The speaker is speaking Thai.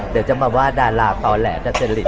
เดี๋ยวจะมาวาดาราต่อแหละถ้าเจริญกันอีก